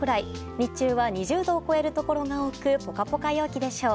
日中は２０度を超えるところが多くポカポカ陽気でしょう。